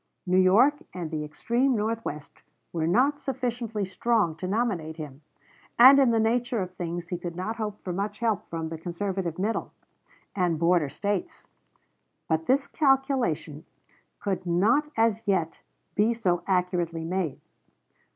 New York and the extreme North west were not sufficiently strong to nominate him, and in the nature of things he could not hope for much help from the conservative middle and border States. But this calculation could not as yet be so accurately made.